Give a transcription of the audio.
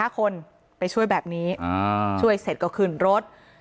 ๕คนไปช่วยแบบนี้ช่วยเสร็จก็ขึ้นรถ